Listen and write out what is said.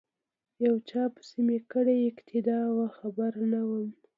یو چا پسی می کړې اقتدا وه خبر نه وم